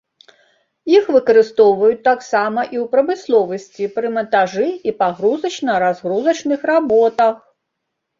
Іх выкарыстоўваюць таксама і ў прамысловасці пры мантажы і пагрузачна-разгрузачных работах.